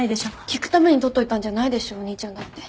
聴くために取っといたんじゃないでしょお兄ちゃんだって。